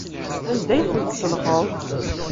Anda ay ten-tselxeḍ?